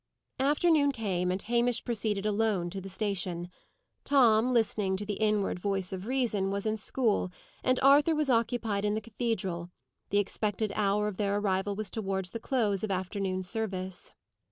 Afternoon came, and Hamish proceeded alone to the station. Tom, listening to the inward voice of reason, was in school, and Arthur was occupied in the cathedral; the expected hour of their arrival was towards the close of afternoon service.